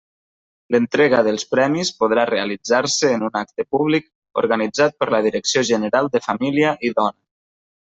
L'entrega dels premis podrà realitzar-se en un acte públic organitzat per la Direcció General de Família i Dona.